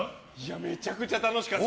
めちゃくちゃ楽しかった。